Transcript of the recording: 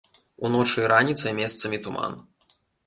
Уночы і раніцай месцамі туман.